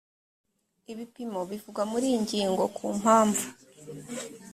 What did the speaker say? ibipimo bivugwa muri iyi ngingo ku mpamvu